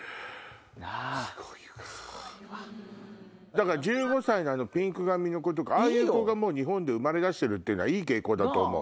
だから１５歳のピンク髪の子とかああいう子が日本で生まれ出してるってのはいい傾向だと思う。